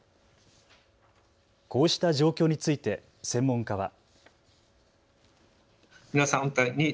こうした状況について専門家は。